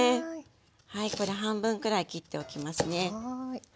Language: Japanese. はいこれ半分くらい切っておきますね。